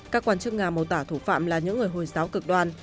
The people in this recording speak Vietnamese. các quan chức nga mô tả thủ phạm là những người hồi giáo cực đoan